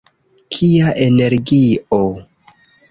Kia energio!